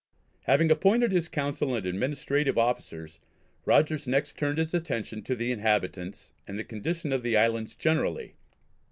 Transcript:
Having appointed his Council and administrative officers, Rogers next turned his attention to the inhabitants and the condition of the islands generally.